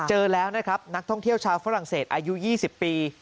เจอแล้วนะครับนักท่องเที่ยวชาวฝรั่งเศสอายุ๒๐ปี